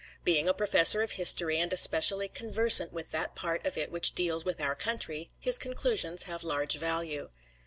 Being a Professor of History and especially conversant with that part of it which deals with our country, his conclusions have large value.